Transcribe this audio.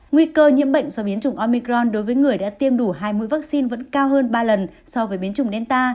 nguy cơ nhiễm bệnh so với biến chủng omicron đối với người đã tiêm đủ hai mũi vaccine vẫn cao hơn ba lần so với biến chủng delta